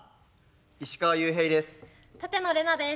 石川裕平です。